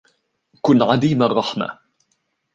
كُن عديم الرحمة.